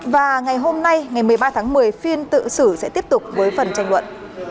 và ngày hôm nay ngày một mươi ba tháng một mươi phiên tự xử sẽ tiếp tục với phần tranh luận